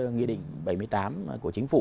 nghị định bảy mươi tám của chính phủ